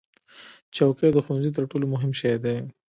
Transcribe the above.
چوکۍ د ښوونځي تر ټولو مهم شی دی.